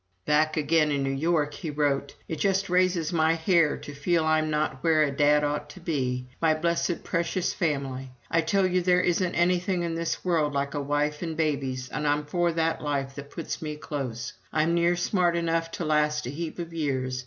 Back again in New York, he wrote: "It just raises my hair to feel I'm not where a Dad ought to be. My blessed, precious family! I tell you there isn't anything in this world like a wife and babies and I'm for that life that puts me close. I'm near smart enough to last a heap of years.